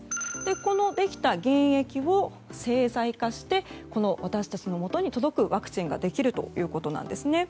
この出来た原液を製剤化して私たちのもとに届くワクチンができるんですね。